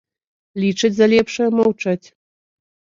Лічаць за лепшае маўчаць.